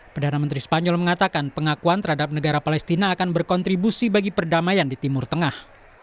perdana menteri spanyol mengatakan pengakuan terhadap negara palestina akan berkontribusi bagi perdamaian di timur tengah